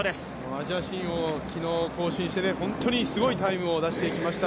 アジア新を昨日更新して、本当にすごいタイムを出してきました。